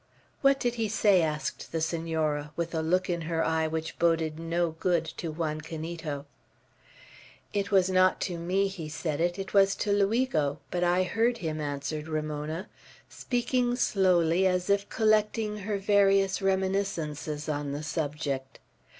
"What did he say?" asked the Senora, with a look in her eye which boded no good to Juan Canito. "It was not to me he said it, it was to Luigo; but I heard him," answered Ramona, speaking slowly, as if collecting her various reminiscences on the subject.